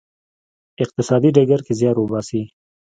اقتصادي ډګر کې زیار وباسی.